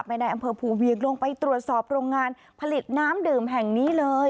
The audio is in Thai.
ในอำเภอภูเวียงลงไปตรวจสอบโรงงานผลิตน้ำดื่มแห่งนี้เลย